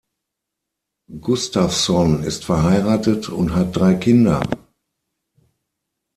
Gustafson ist verheiratet und hat drei Kinder.